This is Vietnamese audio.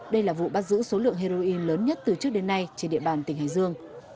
đây là vụ bắt giữ số lượng heroin lớn nhất từ trước đến nay trên địa bàn tỉnh hải dương